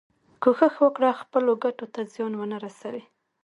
کوښښ وکړه خپلو ګټو ته زیان ونه رسوې.